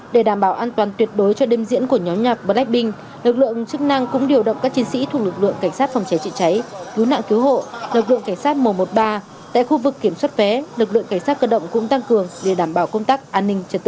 để đảm bảo an toàn tuyệt đối cho đêm diễn của nhóm nhạc blackpink lực lượng chức năng cũng điều động các chiến sĩ thuộc lực lượng cảnh sát phòng cháy chữa cháy cứu nạn cứu hộ lực lượng cảnh sát mùa một mươi ba tại khu vực kiểm soát vé lực lượng cảnh sát cơ động cũng tăng cường để đảm bảo công tác an ninh trật tự